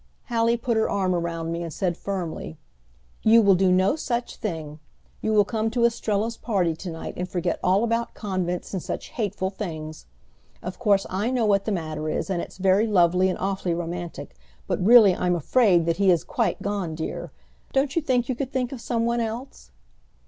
Hallie put her arm around me and said firmly, "You will do no such thing! You will come to Estrella's party to night and forget all about convents and such hateful things! Of course, I know what the matter is; and it's very lovely and awfully romantic, but really I'm afraid that he is quite gone, dear. Don't you think you could think of some one else?"